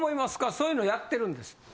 そういうのやってるんですって。